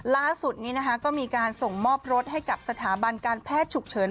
ล่าสุดนี้นะคะก็มีการส่งมอบรถให้กับสถาบันการแพทย์ฉุกเฉิน